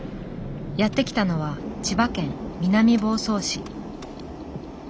やって来たのは千葉県南房総市。